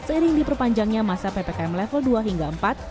seiring diperpanjangnya masa ppkm level dua hingga empat